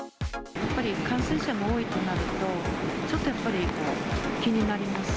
やっぱり感染者が多いとなると、ちょっとやっぱり気になります。